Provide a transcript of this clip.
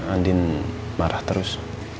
andi marah terus